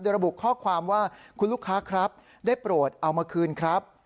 ระบุข้อความว่าคุณลูกค้าครับได้โปรดเอามาคืนครับ